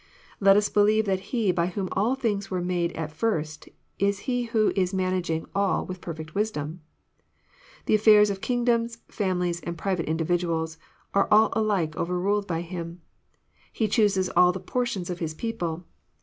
Let us believe that He by whom all things were made at first is He who is managing all with perfect wisdom. The affairs of kingdoms, families, and private individuals are all alike overruled by Him. He chooses all the portions of His people.